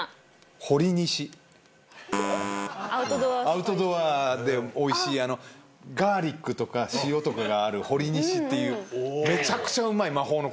アウトドアでおいしいガーリックとか塩とかがあるほりにしっていうめちゃくちゃうまい魔法の粉あるの。